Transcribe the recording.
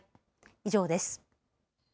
以上です。